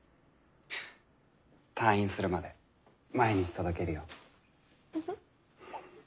退院するまで毎日届けるよ。